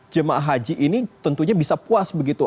jemaah haji ini tentunya bisa puas begitu